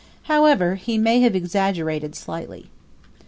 However, he may have exaggerated slightly.